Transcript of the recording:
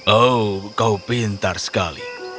oh kau pintar sekali